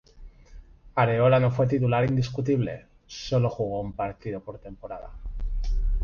Areola no fue titular indiscutible, solo jugó un partido por temporada.